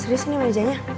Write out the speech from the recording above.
serius ini mejanya